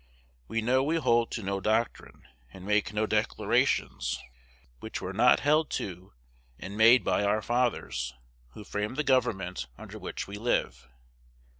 We know we hold to no doctrine, and make no declarations, which were not held to and made by our fathers, who framed the government under which we live.